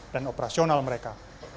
dan operasional mereka